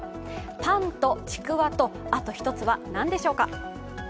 パンとちくわと、あと１つは何でしょうか？